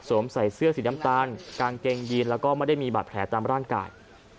ใส่เสื้อสีน้ำตาลกางเกงยีนแล้วก็ไม่ได้มีบาดแผลตามร่างกาย